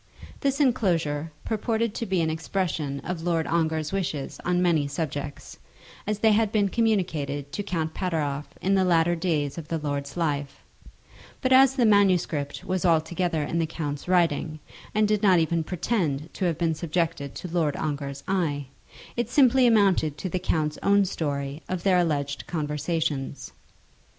This enclosure purported to be an expression of Lord Ongar's wishes on many subjects, as they had been communicated to Count Pateroff in the latter days of the lord's life; but as the manuscript was altogether in the count's writing, and did not even pretend to have been subjected to Lord Ongar's eye, it simply amounted to the count's own story of their alleged conversations.